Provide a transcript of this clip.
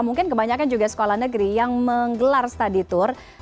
mungkin kebanyakan juga sekolah negeri yang menggelar study tour